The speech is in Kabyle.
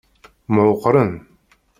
Mεukkren.